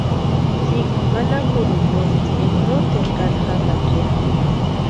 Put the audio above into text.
Sinku manakurhiri maesti énka noteru kani jamakʼa ya.